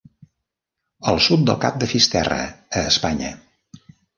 al sud del cap de Fisterra a Espanya.